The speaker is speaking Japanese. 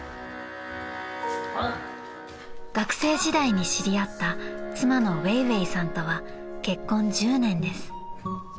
［学生時代に知り合った妻の薇薇さんとは結婚１０年です］